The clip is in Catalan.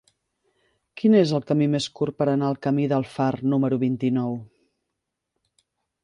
Quin és el camí més curt per anar al camí del Far número vint-i-nou?